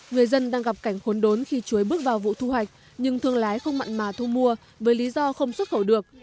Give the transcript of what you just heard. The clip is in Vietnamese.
người dân đang gặp cảnh khốn đốn khi chuối bước vào vụ thu hoạch nhưng thương lái không mặn mà thu mua với lý do không xuất khẩu được